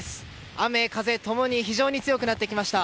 雨風共に非常に強くなってきました。